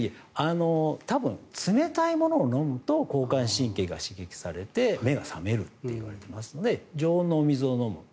多分冷たいものを飲むと交感神経が刺激されて目が覚めるといわれていますので常温のお水を飲む。